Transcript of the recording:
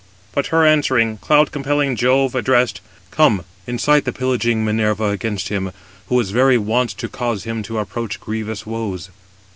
But her answering, cloud compelling Jove addressed: "Come, incite the pillaging Minerva against him, who is very wont to cause him to approach grievous woes."